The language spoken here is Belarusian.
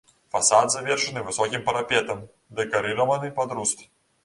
Фасад завершаны высокім парапетам, дэкарыраваны пад руст.